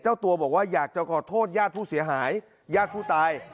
เจ้าตัวบอกว่าอยากจะขอโทษญาติผู้เสียหายญาติผู้ตาย